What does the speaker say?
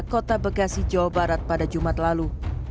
kota bekasi jawa barat pada jumat lalu